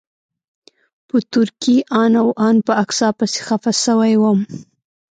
په تورکي او ان په اکا پسې خپه سوى وم.